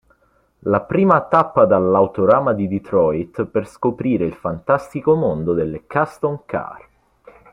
La prima tappa dall'Autorama di Detroit per scoprire il fantastico mondo delle custom car.